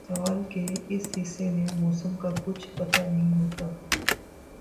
سال کے اس حصے میں موسم کا کچھ پتا نہیں ہوتا